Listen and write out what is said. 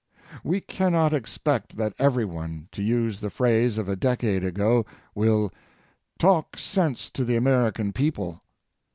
We cannot expect that everyone, to use the phrase of a decade ago, will "talk sense to the American people."